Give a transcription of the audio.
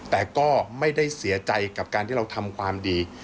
แต่ก็ไม่ได้เสียใจกับการที่เราทำความดี